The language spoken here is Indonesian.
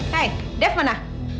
hai dev mana